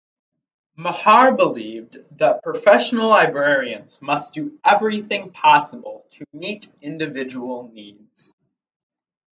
Mahar believed that professional librarians must do everything possible to meet individual needs.